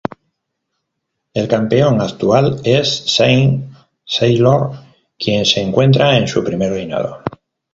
El campeón actual es Shane Taylor, quien se encuentra en su primer reinado.